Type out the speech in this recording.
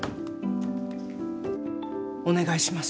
お願いします。